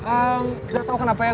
ehm gatau kenapa ya